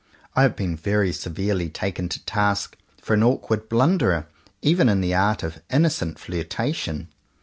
I have been very severely taken to task for an awkward blunderer, even in the art of innocent flirtation.